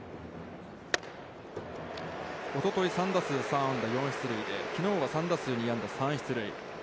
おととい３打数の３安打、きのうは３打数２安打３出塁。